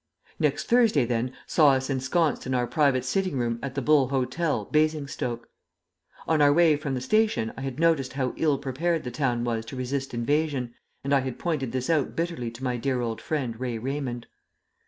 Next Thursday, then, saw us ensconced in our private sitting room at the Bull Hotel, Basingstoke. On our way from the station I had noticed how ill prepared the town was to resist invasion, and I had pointed this out bitterly to my dear old friend, Ray Raymond.